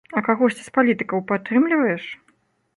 А кагосьці з палітыкаў падтрымліваеш?